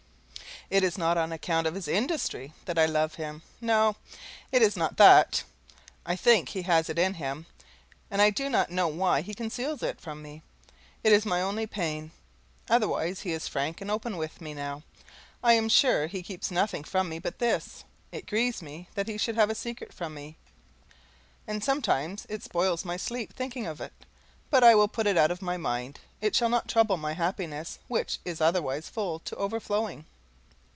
It is not on account of his industry that I love him no, it is not that. I think he has it in him, and I do not know why he conceals it from me. It is my only pain. Otherwise he is frank and open with me, now. I am sure he keeps nothing from me but this. It grieves me that he should have a secret from me, and sometimes it spoils my sleep, thinking of it, but I will put it out of my mind; it shall not trouble my happiness, which is otherwise full to overflowing.